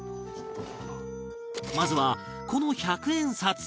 まずはこの１００円札から